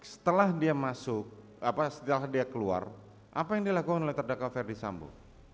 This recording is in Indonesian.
setelah dia masuk setelah dia keluar apa yang dilakukan oleh terdakwa verdi sambo